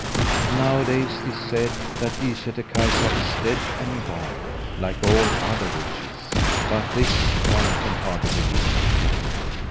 Nowadays 'tis said that Ysätter Kaisa is dead and gone, like all other witches, but this one can hardly believe.